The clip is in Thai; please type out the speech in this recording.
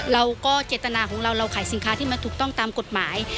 เราก็เจตนาของเราเราขายสินค้าที่มันถูกต้องตามกฎหมาย